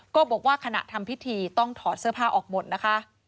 ก็บอกว่าขณะทำพิธีต้องถอดเสื้อผ้าออกหมดนะคะ